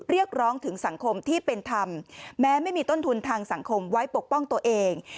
เรียกร้องถึงสังคมที่เป็นธรรมแม้ไม่มีต้นทุนทางสังคมไว้ปกป้องตัวเอง